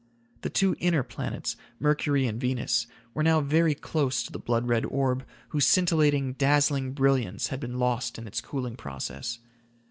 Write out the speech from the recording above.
The two inner planets, Mercury and Venus, were now very close to the blood red orb whose scintillating, dazzling brilliance had been lost in its cooling process.